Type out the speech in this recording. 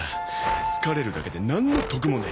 疲れるだけでなんの得もねえ。